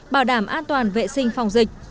bảo đảm an toàn vệ sinh phòng dịch